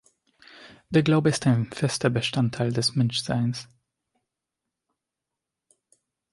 Der Glaube ist ein fester Bestandteil des Menschseins.